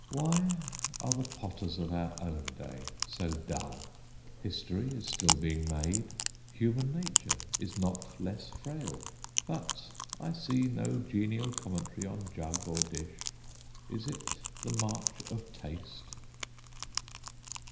Why are the potters of our own day so dull? History is still being made, human nature is not less frail; but I see no genial commentary on jug or dish. Is it the march of Taste?